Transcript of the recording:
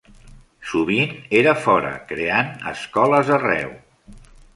Sovint era fora, creant escoles arreu.